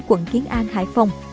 quận kiến an hải phòng